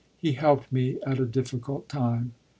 "He helped me at a difficult time."